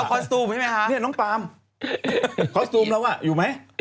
ต้องพาคอสตูมใช่ไหมฮะนี่น้องปาล์มคอสตูมเราอ่ะอยู่ไหม